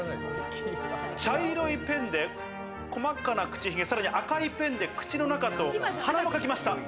茶色いペンで細かな口髭、さらに赤いペンで口の中と、鼻も描きました。